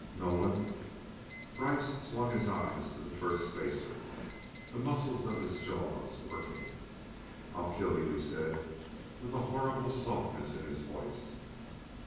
"Nolan?" Brice swung his eyes to the Firstspacer, the muscles of his jaws working. "I'll kill you," he said, with a horrible softness in his voice.